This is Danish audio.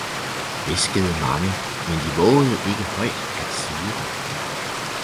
Hviskede mange, men de vovede ikke højt at sige det